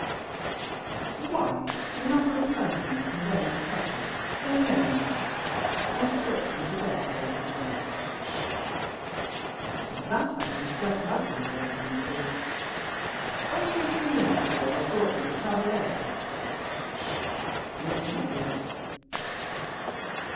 "Why, the number of persons condemned to suffer, their names, and description of the death they are to die." "That happens just lucky, your excellency! Only a few minutes ago they brought me the tavolettas." "What are they?"